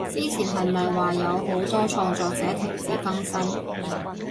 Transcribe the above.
之前係咪話有好多創作者停止更新？